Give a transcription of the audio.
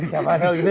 siapa ada lagi